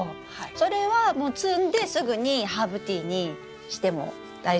それは摘んですぐにハーブティーにしても大丈夫ですか？